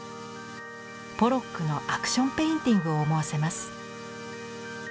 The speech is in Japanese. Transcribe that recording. ポロックのアクション・ペインティングを思わせます。